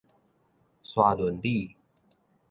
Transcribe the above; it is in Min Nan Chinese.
沙崙里